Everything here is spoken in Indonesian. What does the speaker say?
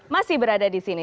masih berada di sini